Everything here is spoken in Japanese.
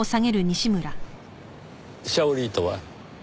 シャオリーとは？